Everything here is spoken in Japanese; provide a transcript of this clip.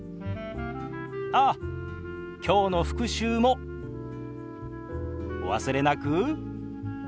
ああ今日の復習もお忘れなく。